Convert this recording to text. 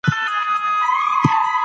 سياست بايد د خلګو د خدمت لپاره وي.